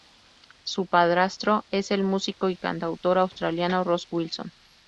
Su padrastro es el músico y cantautor australiano Ross Wilson.